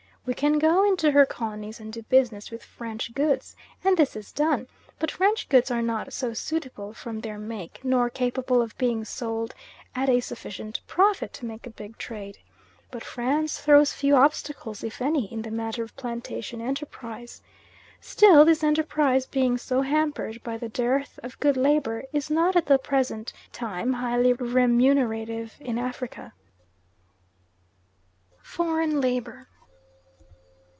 We can go into her colonies and do business with French goods, and this is done; but French goods are not so suitable, from their make, nor capable of being sold at a sufficient profit to make a big trade. But France throws few obstacles, if any, in the matter of plantation enterprise. Still this enterprise being so hampered by the dearth of good labour is not at the present time highly remunerative in Africa. FOREIGN LABOUR.